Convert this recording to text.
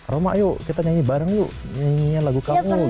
roma yuk kita nyanyi bareng yuk nyanyian lagu kamu